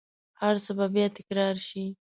هرڅه به بیا تکرارشي